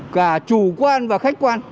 cả chủ quan và khách quan